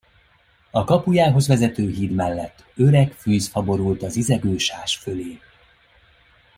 A kapujához vezető híd mellett öreg fűzfa borult a zizegő sás fölé.